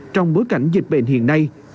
trong bối cảnh dịch bệnh hiện nay